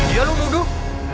iya lu nuduh